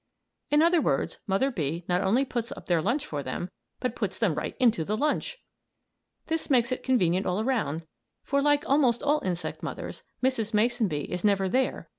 In other words, Mother Bee not only puts up their lunch for them, but puts them right into the lunch! This makes it convenient all around; for, like almost all insect mothers, Mrs. Mason Bee is never there after the babies come.